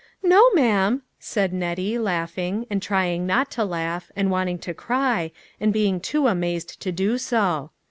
" No, ma'am," said Nettie, laughing, and try ing not to laugh, and wanting to cry, and being too amazed to do so.